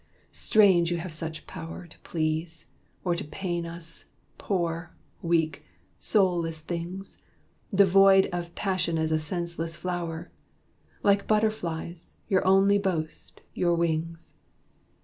Strange you have such power To please, or pain us, poor, weak, soulless things Devoid of passion as a senseless flower! Like butterflies, your only boast, your wings.